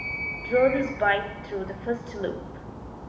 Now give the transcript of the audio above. Draw this bight through the first loop.